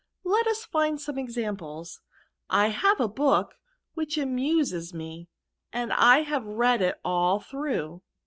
Let us find some examples* I have a book which amuses me, and I have read it all through."